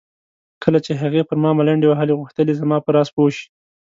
کله چې هغې پر ما ملنډې وهلې غوښتل یې زما په راز پوه شي.